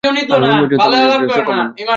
আর হরমুজানের তরবারী আঘাতে সক্ষম হল।